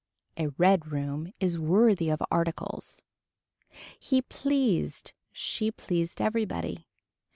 A red room is worthy of articles. He pleased she pleased everybody.